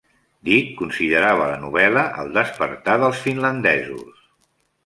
Dick considerava la novel·la el "Despertar dels finlandesos".